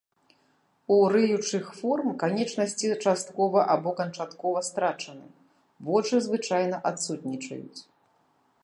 У рыючых форм канечнасці часткова або канчаткова страчаны, вочы звычайна адсутнічаюць.